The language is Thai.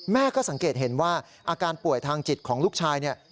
แม่ก็สังเกตเห็นว่าอาการป่วยทางจิตของลูกชายเนี่ย